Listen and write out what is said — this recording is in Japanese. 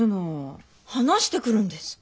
話してくるんです。